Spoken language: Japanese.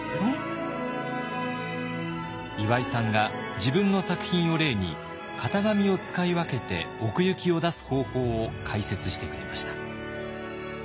岩井さんが自分の作品を例に型紙を使い分けて奥行きを出す方法を解説してくれました。